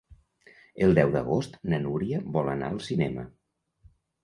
El deu d'agost na Núria vol anar al cinema.